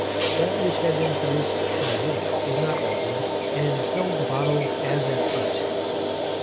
That which had been produced from zinc was not altered, and filled the bottle as at first.